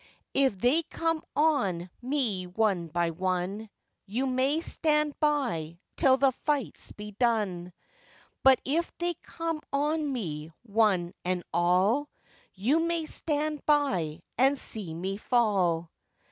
'If they come on me one by one, You may stand by till the fights be done; 'But if they come on me one and all, You may stand by and see me fall.